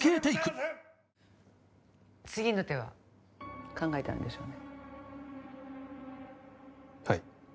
はい次の手は考えてあるんでしょうね？